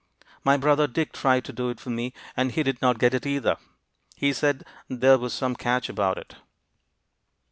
My brother Dick tried to do it for me, and he did not get it either; he said there was some catch about it."